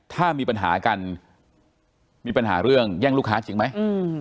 ถ้ามีปัญหากันมีปัญหาเรื่องแย่งลูกค้าจริงไหม